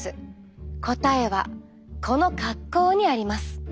答えはこの格好にあります。